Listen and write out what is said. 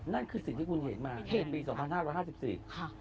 นั่นคือสิ่งที่คุณเห็นมาในปี๒๕๕๔